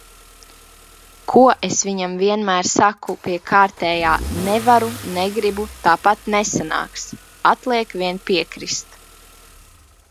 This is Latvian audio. Ko es viņam vienmēr saku pie kārtējā "nevaru, negribu, tāpat nesanāks". Atliek vien piekrist.